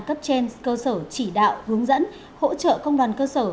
cấp trên cơ sở chỉ đạo hướng dẫn hỗ trợ công đoàn cơ sở